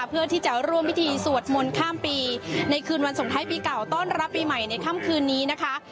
เพื่อที่จะร่วมพิธีสวดมนต์ข้ามปีในคืนวันสงท้ายปีเก่าต้อนรับปีใหม่ในค่ำคืนนี้นะคะ